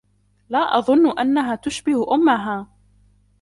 لا أظن أنها تشبه أمها.